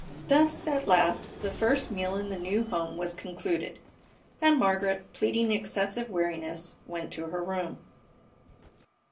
Thus, at last, the first meal in the new home was concluded, and Margaret, pleading excessive weariness, went to her room.